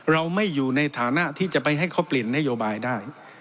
เราไม่อยู่ในฐานะที่จะไปให้เขาเปลี่ยนนโยบายได้